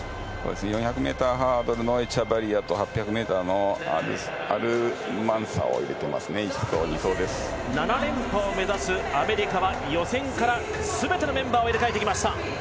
４００ｍハードルのエチャバリアと８００ｍのアルマンサを７連覇を目指すアメリカは予選から全てのメンバーを入れ替えてきました。